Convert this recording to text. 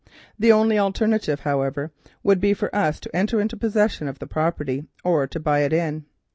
The only alternative, however, would be for us to enter into possession of the property or to buy it in.